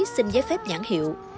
xin giấy phép nhãn hiệu